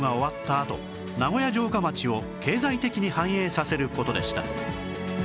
あと名古屋城下町を経済的に繁栄させる事でした